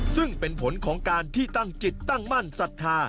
ซึ่งเป็นผลของการที่ตั้งจิตตั้งมั่นศรัทธา